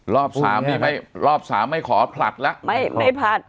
รอบสามนี่ไม่รอบสามไม่ขอผลัดแล้วไม่ไม่ผลัด